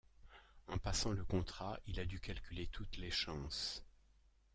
En passant le contrat, il a dû calculer toutes les chances.